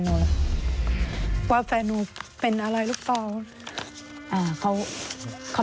สวัสดีครับ